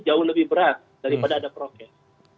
jauh lebih berat daripada ada prokes